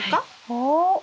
おお？